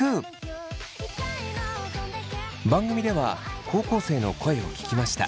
番組では高校生の声を聞きました。